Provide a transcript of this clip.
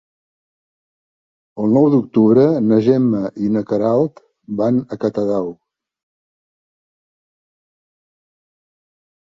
El nou d'octubre na Gemma i na Queralt van a Catadau.